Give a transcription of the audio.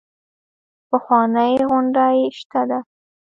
پخوانۍ غونډۍ شته ده.